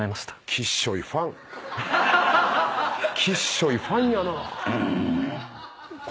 きっしょいファンやなぁ。